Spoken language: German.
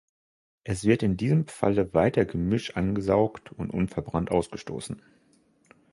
Es wird in diesem Falle weiter Gemisch angesaugt und unverbrannt ausgestoßen.